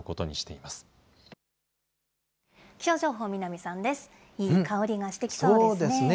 いい香りがしてきそうですね。